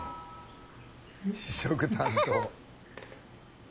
試食担当。